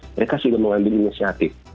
mereka sudah mengambil inisiatif